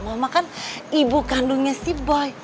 mama kan ibu kandungnya si boy